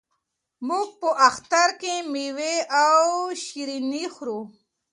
موږ په اختر کې مېوې او شیریني خورو.